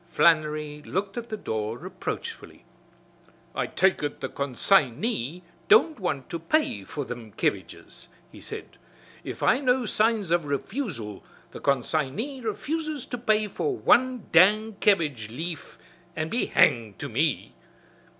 Flannery looked at the door reproachfully. "I take ut the con sign y don't want to pay for thim kebbages," he said. "If I know signs of refusal, the con sign y refuses to pay for wan dang kebbage leaf an' be hanged to me!"